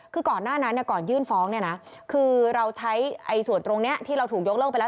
คือก่อนหน้านั้นก่อนยื่นฟ้องเนี่ยนะคือเราใช้ส่วนตรงนี้ที่เราถูกยกเลิกไปแล้ว